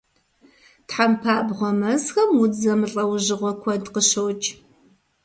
Тхьэмпабгъуэ мэзхэм удз зэмылӀэужьыгъуэ куэд къыщокӀ.